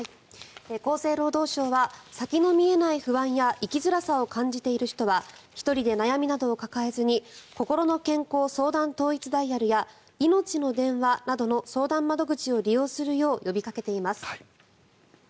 厚生労働省は先の見えない不安や生きづらさを感じている人は１人で悩みなどを抱えずにこころの健康相談統一ダイヤルやいのちの電話などの相談窓口を利用するよう呼びかけています。